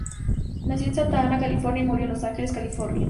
Nació en Santa Ana, California, y murió en Los Ángeles, California.